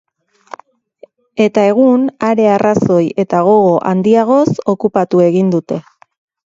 Eta egun, are arrazoi eta gogo handiagoz, okupatu egin dute.